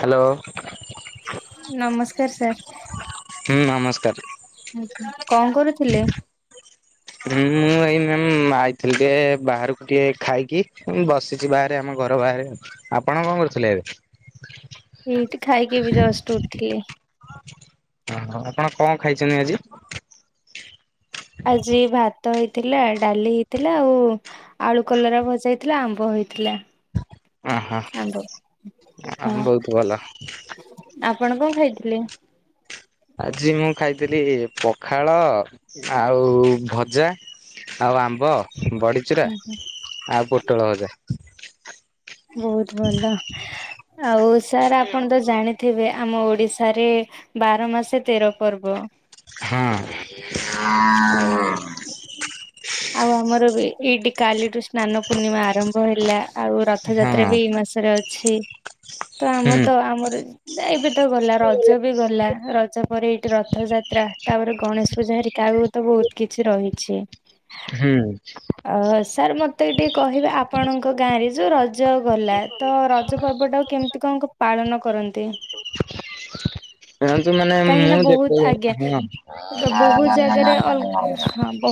Hello ନମସ୍କାର sir. ହୁଁ ନମସ୍କାର। ଆଜ୍ଞା କଣ କରୁଥିଲେ? ହଁ ମୁଁ ଏଇ ମ୍ୟାମ୍ ଆଇଥିଲି ଟିକେ ବାହାରକୁ ଟିକେ ଖାଇକି ବସିଛି ବାହାରେ ଆମ ଘର ବାହାରେ। ଆପଣ କଣ କରୁଥିଲେ ଏବେ? ଏଇଠି ଖାଇକି ଏବେ ଜଷ୍ଟ ଉଠିଲି। ଓ ହୋ, ଆପଣ କଣ ଖାଇଛନ୍ତି ଆଜି? ଆଜି ଭାତ ହେଇଥିଲା, ଡାଲି ହେଇଥିଲା, ଆଉ ଆଳୁ କଲରା ଭଜା ହେଇଥିଲା ଆମ୍ବ ହେଇଥିଲା। ଆ ହା ଆମ୍ବ ଆ ହଁ ବହୁତ ଭଲ। ଆପଣ କଣ ଖାଇଥିଲେ? ଆଜି ମୁଁ ଖାଇଥିଲି ପଖାଳ ଆଉ ଭଜା। ଆଉ ଆମ୍ବ, ବଡିଚୁରା, ହୁଁ ହୁଁ ଆଉ ପୋଟଳ ଭଜା। ବହୁତ ଭଲ, ଆଉ ସାର୍ ଆପଣ ତ ଜାଣିଥିବେ ଆମ ଓଡ଼ିଶାରେ ବାର ମାସେ ତେର ପର୍ବ। ହଁ ଆଉ [unintelligible] ଆଉ ଆମର ବି ଏଇଠି କାଲିଠୁ ସ୍ନାନ ପୂର୍ଣ୍ଣିମା ଆରମ୍ଭ ହେଲା। ଆଉ ହଁ ରଥଯାତ୍ରା ବି ଏଇ ମାସରେ ଅଛି। ତ ଆମ ହୁଁ ତ ଆମର ଏବେ ତ ଗଲା ରଜ ବି ଗଲା। ରଜ ଆମର ଏଇଠି ରଥ ଯାତ୍ରା ତାପରେ ଗଣେଶ ପୂଜା ହେରିକା ଆଉ ତ ବହୁତ କିଛି ରହିଛି। ହୁଁ। ଅ ସାର୍ ମୋତେ ବି ଟିକେ କହିବେ ଆପଣଙ୍କ ଗାଁରେ ଯେଉଁ ରଜ ଜ ଗଲା ତ ରଜ ପର୍ବଟାକୁ କେମିତି କଣ ପାଳନ କରନ୍ତି? [unintelligible] ମାନେ କାହିଁକି ନା ମୁଁ ବହୁତ ଆଜ୍ଞା ତ [unintelligible] ହଁ [inaudible]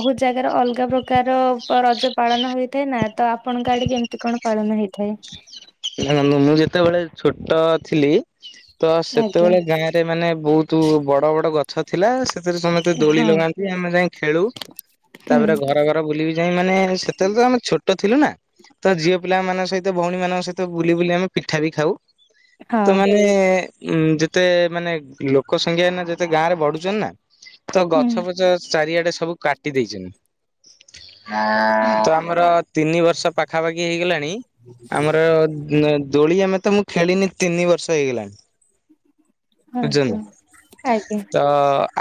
ବହୁତ୍ ଜାଗାରେ ଅଲଗା ପ୍ରକାର ରଜ ପାଳନ ହୋଇଥାଏ ନା। ତ ଆପଣଙ୍କ ଆଡ଼େ କେମିତି କଣ ପାଳନ ହେଇ ଥାଏ, ଦେଖନ୍ତୁ ମୁଁ ଯେତେବେଳେ ଛୋଟ ଥିଲି ତ ଆଜ୍ଞା ସେତେବେଳେ ଗାଁ ରେ ମାନେ ବହୁତ ବଡ଼ ବଡ଼ ଗଛ ଥିଲା। ସେଥିରେ ସମସ୍ତେ ଦୋଳି ହଁ ଲଗାନ୍ତି ଆମେ ଯାଇ ଖେଳୁ। ହୁଁ ତାପରେ ଘର ଘର ବୁଲି ବିି ଯାଇ ମାନେ ସେତେବେଳେ ତ ଆମେ ଛୋଟ ଥିଲୁ ନା ତ ଝିଅ ପିଲାମାନଙ୍କ ସହିତ ଭଉଣୀ ମାନଙ୍କ ସହିତ ବୁଲି ବୁଲି ଆମେ ପିଠା ବି ଖାଉ। ହଁ ତ ମାନେ ଉଁ ଯେତେ ମାନେ ଲୋକ ସଂଖ୍ୟା ନା ଯେତେ ଗାଁ ରେ ବଢୁଛନ୍ତି ନା। ତ ଗଛ ଫଛ ହୁଁ। ଚାରିଆଡ଼େ ସବୁ କାଟି ଦେଇଛନ୍ତି। [unintelligible] ତ ଆମର ତିନି ବର୍ଷ ପାଖାପାଖି ହେଇଗଲାଣି ଆମର ଅ ଦୋଳି ଆମେ ତ ମୁଁ ଖେଳିନି ତିନି ବର୍ଷ ହେଇଗଲାଣି। ହଁ ବୁଝୁଛନ୍ତି ନା ହଁ। ଆଜ୍ଞା। ତ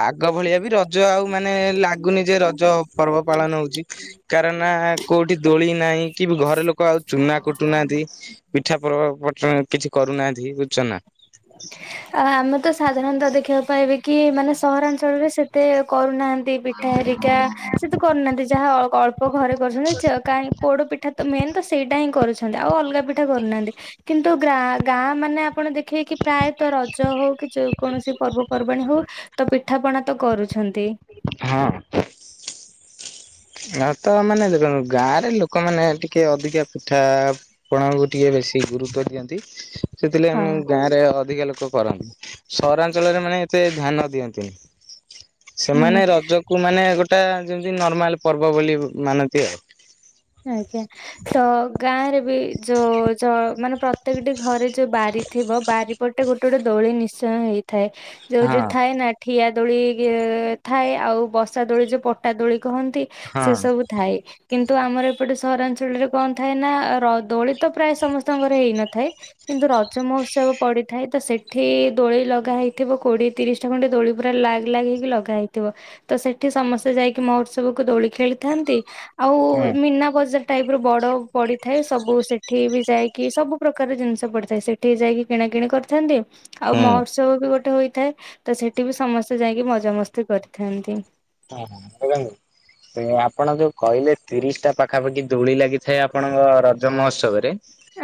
ଆଗ ଭଳିଆ ବି ରଜ ଆଉ ମାନେ ଲାଗୁନି ଯେ ରଜ ପର୍ବ ପାଳନ ହେଉଛି କାରଣ କୋଉଠି ଦୋଳି ନାହିଁ କି ଘରେ ଲୋକ ଆଉ ଚୁନା କୁଟୁନାହାନ୍ତି। ପିଠା ପର ପ କିଛି କରୁନାହାନ୍ତି ବୁଝୁଛ ନା। ସାଧରଣତଃ ଦେଖିବାକୁ ପାଇବେ କି ମାନେ ସହରାଞ୍ଚଳରେ ସେତେ କରୁନାହା ନ୍ତି ପିଠା ହେରିକା ସେତୁ କରୁନାହାନ୍ତି ଯାହା ଅଳ୍ପ ଘରେ କରୁଛନ୍ତି କାଇଁ ପୋଡ଼ ପାଇଁ ପିଠା ତ ମେନ୍ ମେନ୍ ସେଇଟା ହିଁ କରୁଛନ୍ତି ଆଉ ଅଲଗା ପିଠା କରୁନାହାନ୍ତି କିନ୍ତୁ ଗ୍ରା ଗାଁ ମାନେ ଆପଣ ଦେଖେଇ କି ପ୍ରାୟତଃ ରଜ ହଉ କି ଯେ କୌଣସି ପର୍ବପର୍ବାଣୀ ହଉ ତ ପିଠାପଣା ତ କରୁଛନ୍ତି। ହଁ। ହ ତ ମାନେ ଦେଖନ୍ତୁ ଗାଁ ରେ ଲୋକମାନେ ଟିକେ ଅଧିକା ପିଠା ପଣାକୁ ଟିକେ ବେ ବେଶୀ ଗୁରୁତ୍ୱ ଦିଅନ୍ତି। ସେଥିଲାଗି ହଁ ମୁଁ ଗାଁରେ ଅ ଅଧିକା ଲୋକ କରନ୍ତି ସହରାଞ୍ଚଳରେ ମାନେ ଏତେ ଧ୍ୟାନ ଦିଅନ୍ତିନି। ହୁଁ। ସେମାନେ ରଜକୁ ମାନେ ଗୋଟେ ଯେମିତି ନର୍ମାଲ ପର୍ବ ବୋଲି ମାନନ୍ତି ଆଉ ଆଜ୍ଞା ତ ଗାଁ ରେ ବି ଯୋଉ ଜ ଜ ମାନେ ପ୍ରତ୍ୟେକ ଟି ଘରେ ଯୋଉ ବାରି ଥିବ ବାରିପଟେ ଗୋଟେ ଗୋଟେ ଦୋଳି ନିଶ୍ଚୟ ନିଶ୍ଚୟ ହେଇଥାଏ। ଯୋଉ ହଁ ଯୋଉ ଥାଏ ନା ଠିଆ ଦୋଳି ଥାଏ ଆଉ ବସା ଦୋଳି ଯୋଉ ପଟା ଦୋଳି କହନ୍ତି ହଁ ସେ ସବୁ ଥାଏ କିନ୍ତୁ ଆମର ଏପଟେ ସହରାଞ୍ଚଳରେ କଣ ଥାଏ ନା ର ଦୋଳି ତ ପ୍ରାୟ ସମସ୍ତଙ୍କର ହେଇନଥାଏ କିନ୍ତୁ ରଜମ ଉତ୍ସବ ପଡ଼ିଥାଏ ତ ସେଠି ଦୋଳି ଲଗା ହେଇଥିବ କୋଡ଼ିଏ ତିରିଶ ଟା ଖଣ୍ଟେ ଦୋଳି ପୁରା ଲାଗ୍ ଲାଗ ହେଇକି ଲଗ। ଲଗା ହେଇଥିବ ସେଠି ସମସ୍ତେ ଯାଇକି ମହୋତ୍ସବକୁ ଦୋଳି ଖେଳିଥାନ୍ତି ଆଉ ହଁ ମୀନା ବଜାର ଟାଇପ୍ ର ବଡ଼ ପଡ଼ିଥାଏ ସବୁ ସେଠି ବି ଯାଇକି ସବୁ ପ୍ରକାର ଜିନିଷ ପଡ଼ିଥାଏ ସେଠି ଯାଇକି କିଣା କିିଣି କରିଥାନ୍ତି। ଆଉ ହୁଁ। ମହୋତ୍ସବ ବି ଗୋଟେ ହୋଇଥାଏ ତ ସେଠି ବି ସମସ୍ତେ ଯାଇକି ମଜା ମସ୍ତି କରିଥାନ୍ତି। ହଁ ହ [unintelligible] ଆପଣ ଯୋଉ କହିଲେ ତିରିଶ ଟା ପାଖାପାଖି ଦୋଳି ଲାଗିଥାଏ ଆପଣଙ୍କ ରଜ ମହୋତ୍ସବ ରେ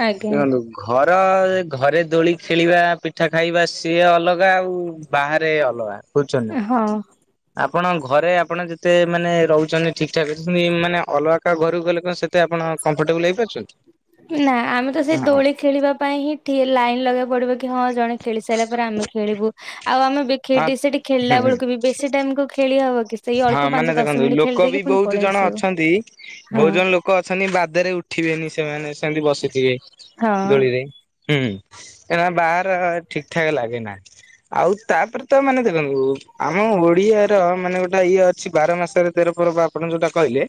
ଆଜ୍ଞା ଦେଖନ୍ତୁ ଘରେ ର ଘରେ ଦୋଳି ଖେଳିବା ପିଠା ଖାଇବା ସିଏ ଅଲଗା ଆଉ ବାହାରେ ଅଲଗା ବୁଛନ୍ତି ହଁ ଆପଣ ଘରେ ଆପଣ ଯେତେ ମାନେ ରହୁଛନ୍ତି ଠିକ୍ ଠକ ଇ ମାନେ ଅଲଗା କା ଘରକୁ ଗଲେ କଣ ସେତେ ଆପଣ କମ୍ଫଟେବଲ ହେଇପାରୁଛନ୍ତି। ନା ଆମେ ତ ସେଇ ହଁ ଦୋଳି ଖେଳିବା ପାଇଁ ହିଁ ଠି ଲାଇନ ଲଗେଇକୁ ପଡିବ। କି ହଁ ଜଣେ ଖେଳି ସାରିଲା ପରେ ଆମେ ଖେଳିବୁ ଆଉ ଆମେ ବି ହଁ ଖେ ସେଠି ଖେଳିଲା ବେଳକୁ ବି ବେଶୀ ଟାଇମ କୁ ଖେଳି ହବ କି ସେଇ ହଁ ଅଳ୍ପ ପାଞ୍ଚ ମାନେ ଦଶ ଦେଖନ୍ତୁ ମିନିଟ୍ ଖେଳି ଲୋକ ବି ଦେଇକି ପୁଣି ବହୁତ ପଳେଇ ଜଣ ଆସିବୁ। ଅଛନ୍ତି ହଁ ବହୁତ ଜଣ ଲୋକ ଅଛନ୍ତି ବାଦରେ ଉଠ ଉଠିବେନି ସେମାନେ ସେମିତି ବସିଥିବେ ହଁ ଦୋଳିରେ ହୁଁ ଏନା ବାହାର ଠିକ ଠାକ ଲାଗେ ନା ଆଉ ତାପରେ ତ ମାନେ ଦେଖନ୍ତୁ ଆମ ଓଡିଆ ର ମାନେ ଗୋଟେ ଟା ଇଏ ଅଛି ବାର ମାସରେ ତେର ପର ବା ଆପଣ ଯୋଉଟା କହିଲେ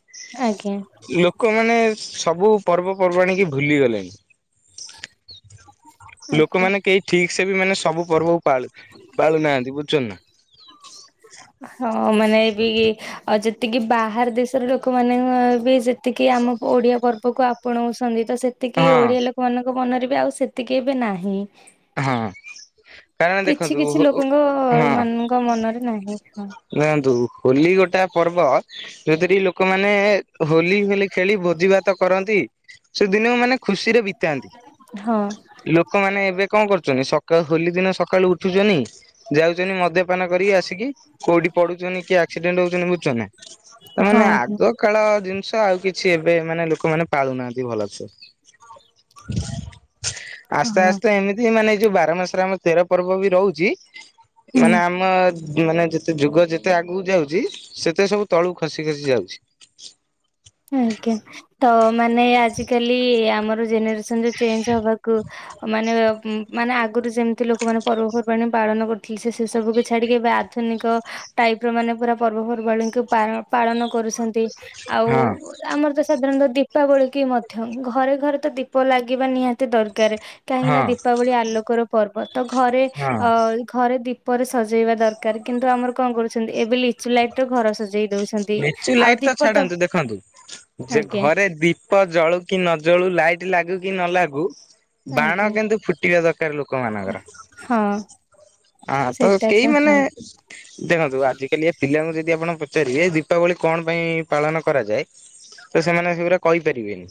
ଆଜ୍ଞା। ଲୋକମାନେ ସବୁ ପର୍ବପର୍ବାଣି କି ଭୁଲିଗଲେଣି ଆଜ୍ଞା। ଲୋକମାନେ କେହି ଠିକ ସେ ବି ମାନେ ସବୁ ପର୍ବ ପାଳୁ ପାଳୁନାହାନ୍ତି ବୁଝୁଛ ନା ଆ ମାନେ ଏ ବି ଆ ଯେତିକି ବାହାର ଦେଶର ଲୋକମାନେ ବି ସେ ଯେତିକି ଆମ ଓଡିଆ ପର୍ବକୁ ଆପଣାଉଛନ୍ତି ତ ସେତିକି ହଁ ଓଡିଆ ଲୋକମାନଙ୍କ ମନରେ ବେ ଆଉ ସେତିକି ଏ ବି ନାହିଁ ହଁ କାରଣ କିଛି ଦେଖନ୍ତୁ କିଛି ଲୋକଙ୍କ ହଁ ମାନଙ୍କ ମନରେ ନାହିଁ ହଁ ଦେଖନ୍ତୁ ହୋଲି ଗୋଟେ ପର୍ବ ଯୋଉଥିରେ କି ଲୋକମାନେ ହୋଲି ହୋଲି ଖେଳି ଭୋଜି ଭାତ କରନ୍ତି ସେଦିନ ମାନେ ଖୁସିରେ ବି ନ୍ତି ହଁ ଲୋକମାନେ ଏବେ କଣ କରୁଛନ୍ତି ସକା ହୋଲି ଦିନ ସକାଳୁ ଉଠୁଛନ୍ତି ଯାଉଛନ୍ତି ମଦ୍ୟପାନ କରିକି ଆସିକି, କୋଉଠି ପଡୁଛନ୍ତି କି ଆକ୍ସିଡେଣ୍ଟ ହଉଛନ୍ତି ବୁଝୁଛନା ତାମାନେ ହଁ ହଁ ଆଗ କାଳ ଜିନିଷ ଆଉ କିଛି ଏବେ ମାନେ ଲୋକମାନେ ପାଳୁନାହାନ୍ତି ଭଲ ସେ ଆସ୍ତେ ହଁ ଆସ୍ତେ ଏମିତି ମାନେ ଯୋଉ ବାର ମାସରେ ଆମର ତେର ପର୍ବ ବି ରହୁଛି ହୁଁ। ମାନେ ଆମ ଉ ମାନେ ସେ ଯୁଗ ଯେତେ ଆଗକୁ ଯାଉଛି ସେତେ ସବୁ ତଳୁ ଖସି ଖସି ଯାଉଛି ଆଜ୍ଞା ତ ମାନେ ଆଜିକାଲି ଆମର ଜେନରସ ଚେଞ୍ଜ ହବାକୁ ମାନେ ଉ ମାନେ ଆଗରୁ ଯେମିତି ଲୋକମାନେ ପର୍ବପର୍ବାଣି ପାଳନ କରୁଥିଲେ ସେ ସେ ସବୁ ଛାଡ଼ିକି ଏବେ ଆଧୁନିକ ଟାଇପ ର ମାନେ ପୁରା ପର୍ବପର୍ବାଣୀଙ୍କୁ ପାର ପାଳନ କରୁଛନ୍ତି ଆଉ ହଁ ଆମର ତ ସାଧାରଣତଃ ଦୀପାବଳି କି ମଧ୍ୟ ଘରେ ଘରେ ତ ଦୀପ ଲାଗିବା ନିହାତି ଦର କାର କାହିଁକି ନା ହଁ ଦୀପାବଳି ଆଲୋକର ପର୍ବ ତ ଘରେ ହଁ ଅ ଘରେ ଦି ପରେ ସଜେଇବା ଦରକାର କିନ୍ତୁ ଆମର କଣ କରୁଛନ୍ତି ଏବେ ଲିଚୁ ଲାଇଟ ର ଘର ସଜେଇ ଦଉଛନ୍ତି ଲିଚୁ ଆଉ ଲାଇଟ ଦୀପ ତ ଛାଡନ୍ତୁ ଦେଖନ୍ତୁ ଯେ ଆଜ୍ଞା ଘରେ ଦୀପ ଜଳୁ କି ନ ଜଳୁ ଲାଇଟ ଲାଗୁ କି ନ ଲାଗୁ ବାଣ ଆଜ୍ଞା କିନ୍ତୁ ଫୁଟିବା ଦରକାର ଲୋକମାନଙ୍କର। ହଁ ହଁ ତ ସେଇଟା କେହି ମାନେ ହଁ ଦେଖନ୍ତୁ ଆଜିକାଲି ଏ ପିଲାଙ୍କୁ ଯଦି ଆପଣ ପଚାରିବେ ଦୀପାବଳି କଣ ପାଇଁ ପାଳନ କରାଯାଏ ତ ସେମାନେ ସେଗୁରା କହିପାରିବେନି।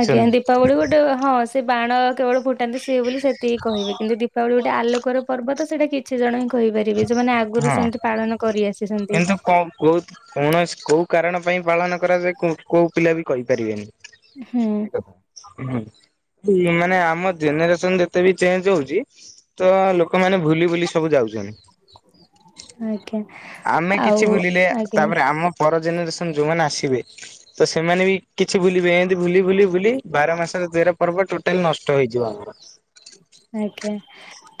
ଆଜ୍ଞା ଦୀପାବଳି ଗୋଟେ ହଁ ସେ ବାଣ କେବଳ ଫୁଟାନ୍ତି ସେ ସି ବୋଲି ସେତିକି କହିବେ କିନ୍ତୁ ଦୀପାବଳି ଗୋଟେ ଆଲୋକର ପର୍ବ ତ ସେଟା କିଛି ଜଣ ହିଁ କହିପାରିବେ ଯୋଉମାନେ ହୁଁ ଆଗରୁ ସେମିତି ପାଳନ କରି ଆସିଛନ୍ତି। କିନ୍ତୁ କ କୋଉତୁ କୌଣସି କୋଉ କାରଣ ପାଇଁ ପାଳନ କରାଯାଏ କୋଉ ପିଲା ବି ହୁଁ କହିପାରିବେନି। ମାନେ ଆମ ଜେନେରେସନ ଯେତେ ବି ଚେଞ୍ଜ ହଉଛି ତ ଲୋକମାନେ ଭୁଲି ବୁଲି ସବୁ ଯାଉଛନ୍ତି। ଆଜ୍ଞା ଆମେ କିଛି ଆଉ ବୁଲିଲେ ଆଜ୍ଞା ତାପରେ ଆମ ପର ଜେନ ରେସନ ଯୋଉମାନେ ଆସିବେ ତ ସେମାନେ ବି କିଛି ଭୁଲିବେ ଏମତି ଭୁଲି ବୁଲି ବାର ମାସର ତେର ପର୍ବ ଟୋଟାଲ ନଷ୍ଟ ହେଇଯିବ ଆମର। ଆଜ୍ଞା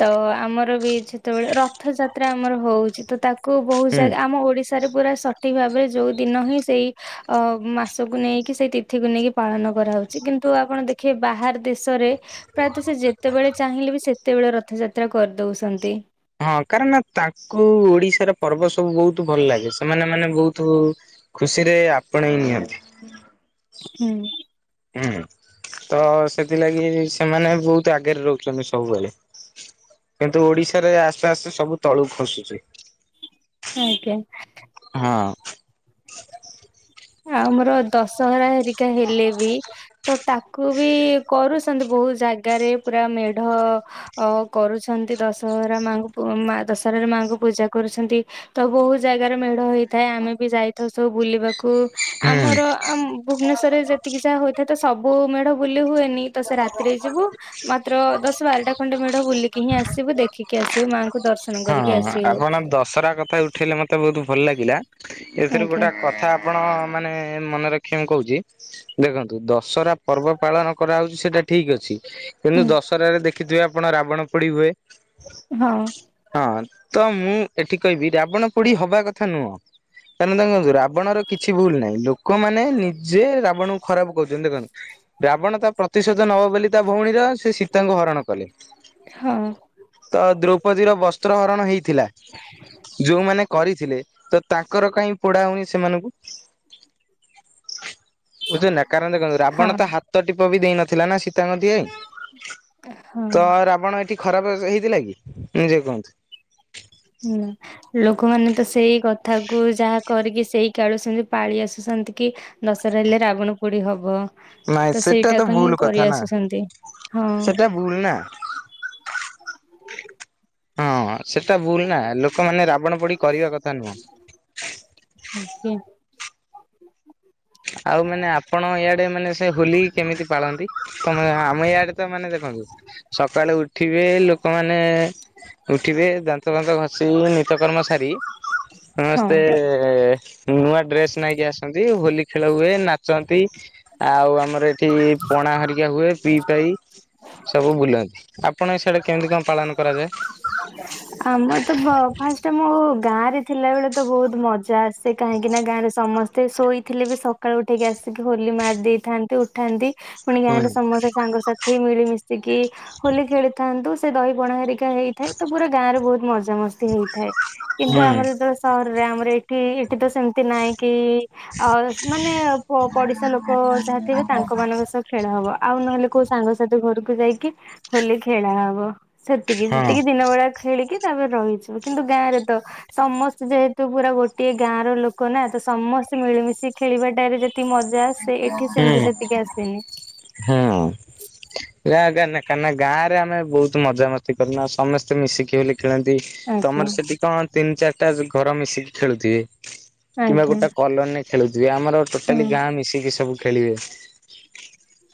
ତ ଆମର ବି ଯେତେବେଳେ ରଥଯାତ୍ରା ଆମର ହଉଛି ତ ତାକୁ କୁ ବହୁତ ହୁଁ। ଜାଗା ଆମ ଓଡିଶାରେ ପୁରା ସଠିକ ଭାବ ଯୋଉ ଦିନ ହିଁ ସେଇ ମାସକୁ ନେଇକି ସେଇ ତିଥିକୁ ନେଇକି ପାଳନ କରାହଉଛି କିନ୍ତୁ ଆପଣ ଦେଖିବେ ବାହାର ଦେଶରେ ପ୍ରାୟତଃ ସେ ଯେତେବେଳେ ଚାହିଁଲେ ବି ସେତେବେଳେ ରଥଯାତ୍ରା କରିଦଉଛନ୍ତି। ହଁ କାରଣ ତାଙ୍କୁ ଓଡିଶାର ପର୍ବ ସବୁ ବହୁତ ଭଲ ଲାଗେ ସେମାନେ ମାନେ ବହୁତ ତୁ ଖୁସିରେ ଆପଣେଇ ନିଅନ୍ତି। ହୁଁ। ହୁଁ ତ ସେଥିଲାଗି ସେମାନେ ବହୁତ ଆଗରେ ରହୁଛନ୍ତି ସବୁବେଳେ। କିନ୍ତୁ ଓଡିଶାରେ ଆସ୍ତେ ଆସ୍ତେ ସବୁ ତଳୁକୁ ଖସୁଛି। ଆଜ୍ଞା। ହଁ। ଆଉ ଆମର ଦଶହରା ହେରିକା ହେଲେ ବି ତ ତାକୁ ବି କରୁଛନ୍ତି ବହୁତ ଜାଗାରେ ପୁରା ମେଢ କରୁଛନ୍ତି ଦଶହରା ମାଙ୍କୁ ମା ଦଶହରାରେ ମାଙ୍କୁ ପୂଜା କରୁଛନ୍ତି ତ ବହୁତ ଜାଗାରେ ମେଢ ହେଇଥାଏ ଆମେ ବି ଯାଇଥାଉ ସବୁ ବୁଲିବାକୁ। ହୁଁ। ଆମର ଆମ ଭୁବନେଶ୍ଵରରେ ଯେତିକି ଯାହା ହୋଇଥାଏ ତ ସବୁ ମେଢ ବୁଲି ହୁଏନି। ତ ସେ ରାତିରେ ଯିବୁ ମାତ୍ର ଦଶ ବାରଟା ଖଣ୍ଡେ ମେ ବୁଲିକି ହିଁ ଆସିବୁ ଦେଖିକି ଆସିବୁ ମାଙ୍କୁ। ହଁ ଆପଣ ଦଶହରା କଥା ଉଠେଇଲେ ମତେ ବହୁତ ଭଲ ଲାଗିଲା। ଏଥିରୁ ଆଜ୍ଞା ଗୋଟେ କଥା ଆପଣ ମାନେ ମନେ ରଖିଆକୁ କହୁଛି ଦେଖନ୍ତୁ ଦଶହରା ପର୍ବ ପାଳନ କରାହେଉଛି ସେଟା ଠିକ ଅଛି। ହଁ କିନ୍ତୁ ଦଶହରାରେ ଦେଖିଥିବେ ଆପଣ ରାବଣ ପୋଡି ହୁଏ। ହଁ। ହଁ ତ ମୁଁ ଏଠି କହିବି ରାବଣ ପୋଡି ହବା କଥା ନୁହଁ। କାରଣ ଦେଖନ୍ତୁ ରାବଣର କିଛି ଭୁଲ ନାହିଁ ଲୋକମାନେ ନିଜେ ରାବଣକୁ ଖରାପ କରୁଛନ୍ତି ଦେଖନ୍ତୁ ରାବଣ ତା ପ୍ରତିଶୋଧ ନବ ବୋଲି ତା ଭଉଣୀର ସେ ସୀତାଙ୍କୁ ହରଣ କଲେ। ହଁ। ଦୋର୍ପତି ର ବସ୍ତ୍ର ହରଣ ହେଇଥିଲା ଯୋଉଁମାନେ କରିଥିଲେ ତ ତାଙ୍କର କାଇଁ ପୋଡା ହଉନି ସେମାନଙ୍କୁ? ବୁଝୁଛନ୍ତି ନା କାରଣ ଦେଖନ୍ତୁ ହଁ ରାବଣ ହଁ ତ ହାତ ଟିପ ବି ଦେଇ ନଥିଲା ନା ସୀ ତାଙ୍କ ଦିହେ ହଁ। ତ ରାବଣ ଏଠି ଖରାପ ହେଇଥିଲା କି ନିଜେ କୁହନ୍ତୁ? ହୁଁ ଲୋ ଲୋକମାନେ ତ ସେଇ କଥାକୁ ଯାହା କରିକି ସେଇ କାଳୁ ସେମତି ପାଳି ଆସୁଛନ୍ତି କି ଦଶହରା ହେଲେ ରାବଣ ପୋଡି ହବ। ନାଇଁ ସେଟା ତ ସେଇଟାକୁ ହିଁ ଭୁଲ କରି କଥା ନା ଆସୁଛନ୍ତି ହଁ ସେଟା ଭୁଲ ନା। ହଁ। ସେଟା ଭୁଲ ନା। ଲୋକମାନେ ରାବଣ ପୋଡି କରିବା କଥା ନୁହଁ। ଆଜ୍ଞା ଆଉ ମାନେ ଆପଣ ଇଆଡେ ମାନେ ସେ ହୋଲି କେମିତି ପାଳନ୍ତି? ଆମ ଇାଆଡେ ତ ମାନେ ଦେଖ ସକାଳେ ଉ ଉଠିବେ ଲୋକମାନେ ଉଠିବେ ଦାନ୍ତ ଫାନ୍ତ ଘଷି ନିତକର୍ମ ସା ସାରି, ହଁ ସମସ୍ତେ ନୂଆ ଡ୍ରେସ ନେଇକି ଆସନ୍ତି। ହୋଲି ଖେଳ ହୁଏ ନାଚନ୍ତି। ଆଉ ଆମର ଏଠି ପଣା ହେରିକା ହୁଏ ପିଇପାଈ ସବୁ ବୁଲନ୍ତି। ଆ ଆମର ତ ବ ଫାଷ୍ଟ ମୁଁ ଗାଁ ରେ ଥିଲାବେଳେ ତ ବହୁତ ମଜା ଆସେ। କାହିଁକି ନା ଗାଁରେ ସମସ୍ତେ ଶୋଇଥିଲେ ବି ସକାଳୁ ଉଠେଇକି ଆସ ହୋଲି ମାରି ଦେଇଥାନ୍ତି ଉଠାନ୍ତି। ପୁଣି ହୁଁ ଗାଁରେ ସମସ୍ତେ ସାଙ୍ଗସାଥି ମିଳିମିଶିକି ହୋଲି ଖେଳିଥାନ୍ତୁ। ସେ ଦହି ପଣା ହେରିକା ହେଇଥାଏ। ତ ପୁରା ଗାଁରେ ବହୁତ ମଜ୍ ମଜାମସ୍ତି ହେଇଥାଏ। କିନ୍ତୁ ହୁଁ ଆମର ଯେତେବେଳେ ସହରରେ ଆମର ଏଠି ଏଠି ତ ସେମିତି ନାହିଁ। କି ମାନେ ଅ ପଡିଶା ଲୋକ ଯାହା ଥିବେ ତାଙ୍କ ମାନଙ୍କ ସହ ଖେଳ ହବ। ଆଉ ନହେଲେ କୋଉ ସାଙ୍ଗସାଥି ଘରକୁ ଯାଇକି ହୋଲି ଖେଳା ହବ। ସେତିକି ହଁ। ସେତିକି ଦିନ ବେଳିଆ ଖେଳିକି [unintelligible] ରହିଯିବୁ କିନ୍ତୁ ଗାଁରେ ତ ସମସ୍ତେ ଯେହେତୁ ପୁରା ଗୋଟିଏ ଗାଁ ର ଲୋକ ନା ତ ସମ ମିଳିମିସି ଖେଳିବା ଟାରେ ଯେ ମଜା ଆସେ ଏଠି ହୁଁ ସେମିତି ସେତିକି ଆସେନି। କାନା ନା କାନା ଗାଁରେ ଆମେ ବହୁତ ମଜାମସ୍ତି କରୁ, ଆଉ ସମସ୍ତେ ମିଶିକି ହୋଲି ଖେଳନ୍ତି। ତମର ଆଜ୍ଞା ସେଠି କଣ ତିନି ଚାରିଟା ଘର ମିଶିକି ଖେଳୁଥିବେ। କିମ୍ବା ଆଜ୍ଞା ଗୋଟେ କଲୋନୀ ରେ ଖେଳୁଥିବେ। ଆମର ଟୋଟାଲି ହଁ ଗାଁ ମିଶିକି ସବୁ ଖେଳିବେ।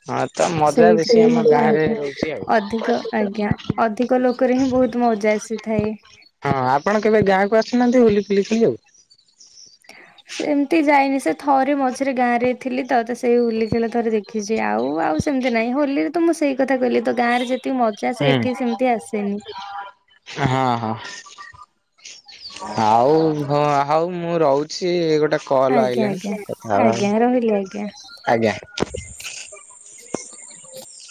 ହଁ ତ ମଜା ବେଶୀ ସେଇଥିରେ ହିଁ ଆମ ମଜା ଗାଁ ରେ ଆଜ୍ଞା, ରହୁଛି ଆଉ। ଅଧିକ ଆଜ୍ଞା ଅଧିକ ଲୋକରେ ହିଁ ବହୁତ ମଜା ଆସିଥାଏ। ହଁ ଆପଣ କେବେ ଗାଁକୁ ଆସିନାହାନ୍ତି ହୋଲି ଫୋଲି ଖେଳିବାକୁ। ସେମିତି ଯାଇନି ସେ ଥରେ ମଝିରେ ଗାଁରେ ଥିଲି ତ ସେଇ ହୋଲି ଖେଳ ଥରେ ଦେଖିଚି। ଆଉ ଆଉ ସେମିତି ନାଇଁ ହୋ ହୋଲି ରେ ତ ମୁଁ ସେଇ କଥା କହିଲି ତ ଗାଁରେ ଯେ ଯୋଉ ମଜା ଏଠି ସେମିତି ଆସେନି। ହଁ ହଁ ଆଉ ହଁ ହଉ ମୁଁ ରହୁଚି। ଗୋଟ ଗୋଟେ କଲ ଆଜ୍ଞା ଆଜ୍ଞା ଆଇଲଣି କଥା ହେବା। ଆଜ୍ଞା ରହିଲି ଆଜ୍ଞା। ଆଜ୍ଞା। [inaudible]